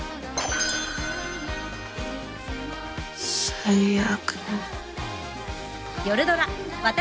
最悪。